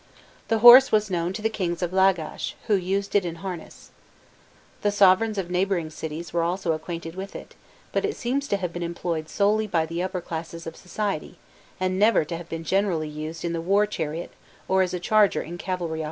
The horse was known to the kings of Lagash, who used it in harness. The sovereigns of neighbouring cities were also acquainted with it, but it seems to have been employed solely by the upper classes of society, and never to have been generally used in the war chariot or as a charger in cavalry operations.